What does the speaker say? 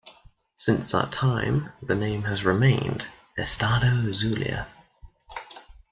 Since that time the name has remained "Estado Zulia".